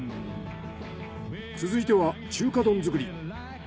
続いては中華丼作り。